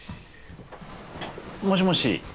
もしもし。